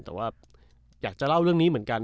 แต่ว่าอยากจะเล่าเรื่องนี้เหมือนกัน